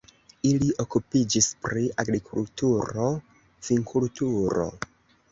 Ili okupiĝis pri agrikulturo, vinkulturo.